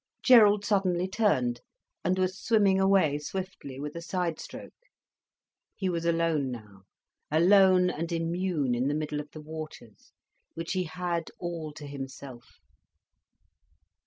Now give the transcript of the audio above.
Gerald suddenly turned, and was swimming away swiftly, with a side stroke. He was alone now, alone and immune in the middle of the waters, which he had all to himself.